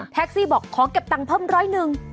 ซี่บอกขอเก็บตังค์เพิ่มร้อยหนึ่ง